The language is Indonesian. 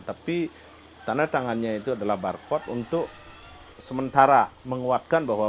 tapi tanda tangannya itu adalah barcode untuk sementara menguatkan bahwa